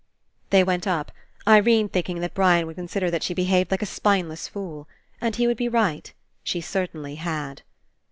They went up, Irene thinking that Brian would consider that she'd behaved like a spine less fool. And he would be right. She certainly had.